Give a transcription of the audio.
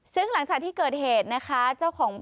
ซึ่งหลังจากที่เกิดเหตุนะคะ